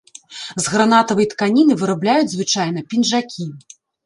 З гранатавай тканіны вырабляюць звычайна пінжакі.